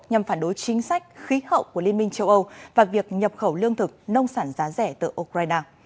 nhằm phản đối chính sách khí hậu của liên minh châu âu và việc nhập khẩu lương thực nông sản giá rẻ từ ukraine